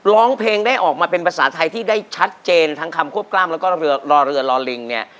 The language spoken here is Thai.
ร้องเพลงได้ออกมาเป็นภาษาไทยที่ได้ชัดเจนทั้งคำควบกล้ามแล้วก็เรือรอเรือรอลิงเนี่ย